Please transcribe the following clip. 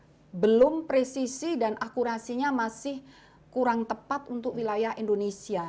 karena data global itu belum presisi dan akurasinya masih kurang tepat untuk wilayah indonesia